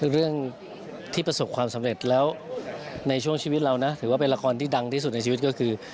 เรื่องที่ประสบความสำเร็จแล้วในช่วงชีวิตเรานะถือว่าเป็นละครที่ดังที่สุดในชีวิตก็คือ